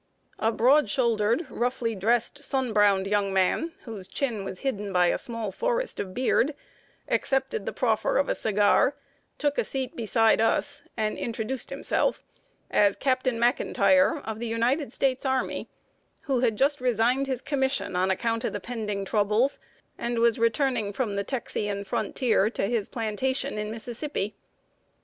A broad shouldered, roughly dressed, sun browned young man, whose chin was hidden by a small forest of beard, accepted the proffer of a cigar, took a seat beside us, and introduced himself as Captain McIntire, of the United States Army, who had just resigned his commission, on account of the pending troubles, and was returning from the Texian frontier to his plantation in Mississippi.